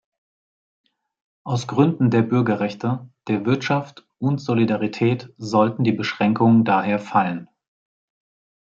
Aus Gründen der Bürgerrechte, der Wirtschaft und Solidarität sollten die Beschränkungen daher fallen.